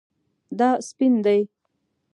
دا سپین دی